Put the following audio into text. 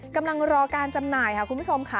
กำลังรอการจำหน่ายค่ะคุณผู้ชมค่ะ